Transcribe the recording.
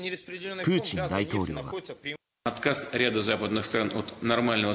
プーチン大統領は。